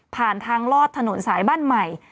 ทางลอดถนนสายบ้านใหม่